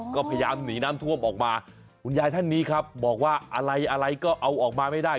ก็พยายามหนีน้ำท่วมออกมาคุณยายท่านนี้ครับบอกว่าอะไรอะไรก็เอาออกมาไม่ได้